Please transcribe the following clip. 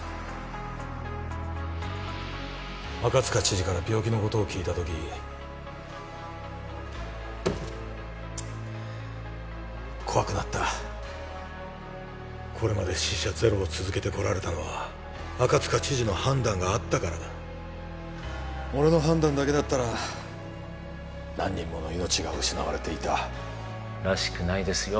赤塚知事から病気のことを聞いた時怖くなったこれまで死者ゼロを続けてこられたのは赤塚知事の判断があったからだ俺の判断だけだったら何人もの命が失われていたらしくないですよ